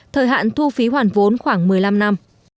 thời hạn thu phí hoàn vốn khoảng một mươi năm năm